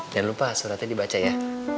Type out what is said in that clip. jangan lupa suratnya dibaca ya